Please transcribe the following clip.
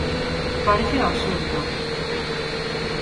Paréceme absurdo.